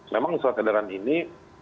memang soal keadaan ini